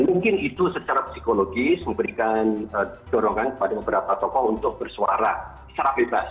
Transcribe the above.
mungkin itu secara psikologis memberikan dorongan kepada beberapa tokoh untuk bersuara secara bebas